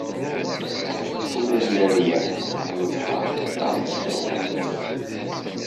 Ula d leryaḥ akked lebḥeṛ ttaɣen-as awal!